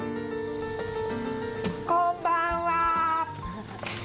こんばんは。